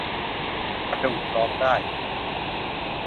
กระดูกร้องได้